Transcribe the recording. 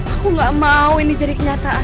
aku gak mau ini jadi kenyataan